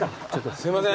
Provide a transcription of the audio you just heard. すいません。